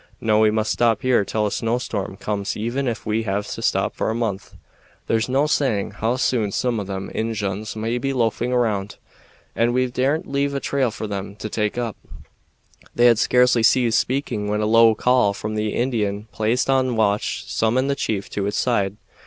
No, we must stop here till a snowstorm comes, even if we have to stop for a month. There's no saying how soon some of them Injuns may be loafing round, and we daren't leave a trail for 'em to take up." They had scarcely ceased speaking when a low call from the Indian placed on watch summoned the chief to his side.